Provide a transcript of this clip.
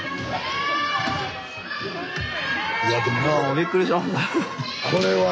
びっくりしました。